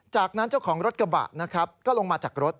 จากนั้นเจ้าของรถกระบะนะครับก็ลงมาจากรถ